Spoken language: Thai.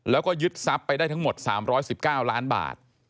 แล้วก็ยึดทรัพย์ไปได้ทั้งหมด๓๑๙ล้านบาท